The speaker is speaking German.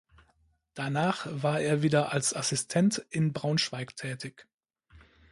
Danach war er wieder als Assistent in Braunschweig tätig.